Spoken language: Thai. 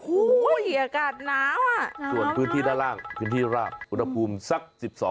อุ้ยยยยยอากาศหนาว่ะส่วนพื้นที่ด้านล่างพื้นที่ล่างอุดภูมิสัก๑๒๑๔